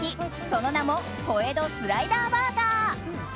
その名も小江戸スライダーバーガー。